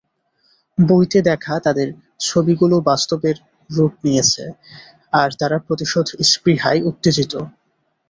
বইতে দেখা তাদের ছবিগুলো বাস্তবের রূপ নিয়েছে, আর তারা প্রতিশোধ স্পৃহায় উত্তেজিত!